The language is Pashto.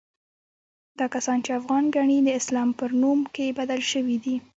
دا کسان چې افغان ګڼي، د اسلام پر نوم کې بدل شوي دي.